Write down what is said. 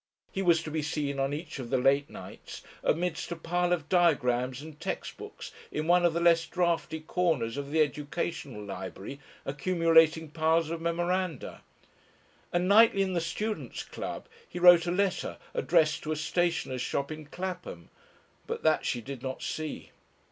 He was to be seen on each of the late nights amidst a pile of diagrams and text books in one of the less draughty corners of the Educational Library, accumulating piles of memoranda. And nightly in the Students' "club" he wrote a letter addressed to a stationer's shop in Clapham, but that she did not see.